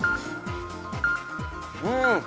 うん！